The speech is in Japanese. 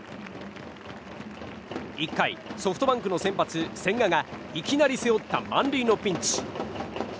１回、ソフトバンクの先発千賀がいきなり背負った満塁のピンチ。